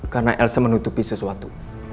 karena elsa menutupi sesuatu